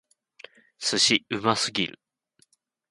寿司！うますぎる！